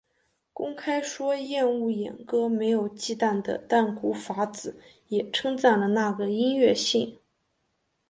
公开说厌恶演歌没有忌惮的淡谷法子也称赞了那个音乐性。